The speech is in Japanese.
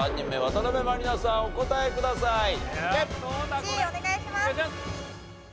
１位お願いします。